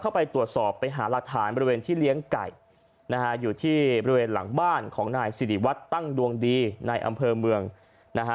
เข้าไปตรวจสอบไปหารักฐานบริเวณที่เลี้ยงไก่นะฮะอยู่ที่บริเวณหลังบ้านของนายสิริวัตรตั้งดวงดีในอำเภอเมืองนะฮะ